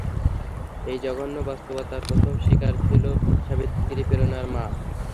এই জঘন্য বাস্তবতার প্রথম শিকার ছিল সাবিত্রি, প্রেরণার মা।